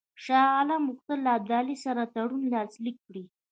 شاه عالم غوښتل له ابدالي سره تړون لاسلیک کړي.